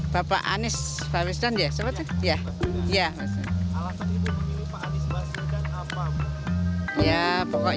bapak anis baswedan ya siapa tuh